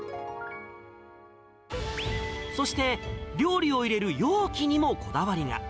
そして、料理を入れる容器にもこだわりが。